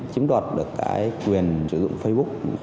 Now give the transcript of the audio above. chiếm đoạt được cái quyền sử dụng facebook